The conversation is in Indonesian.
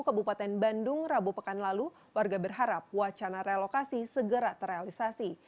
kabupaten bandung rabu pekan lalu warga berharap wacana relokasi segera terrealisasi